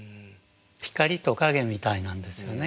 光と影みたいなんですよね